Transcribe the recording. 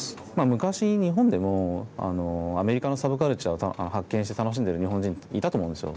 昔日本でもアメリカのサブカルチャーを発見して楽しんでる日本人っていたと思うんですよ。